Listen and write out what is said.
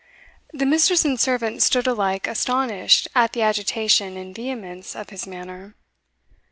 The mistress and servant stood alike astonished at the agitation and vehemence of his manner.